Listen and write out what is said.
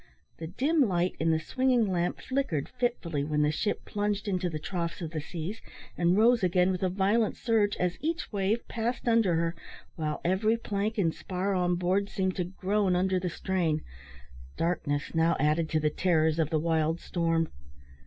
The dim light in the swinging lamp flickered fitfully when the ship plunged into the troughs of the seas, and rose again with a violent surge, as each wave passed under her, while every plank and spar on board seemed to groan under the strain. Darkness now added to the terrors of the wild storm.